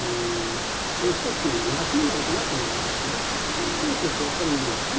その一つの目安になるかなと思ったんですね。